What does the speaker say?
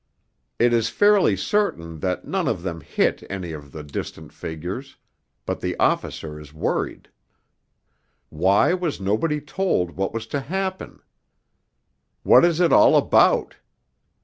It is fairly certain that none of them hit any of the distant figures, but the officer is worried. Why was nobody told what was to happen? What is it all about?